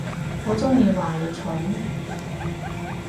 我中意話你蠢